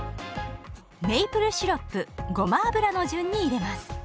メイプルシロップごま油の順に入れます。